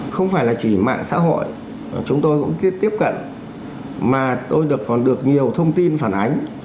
không phải là chỉ mạng xã hội mà chúng tôi cũng tiếp cận mà tôi còn được nhiều thông tin phản ánh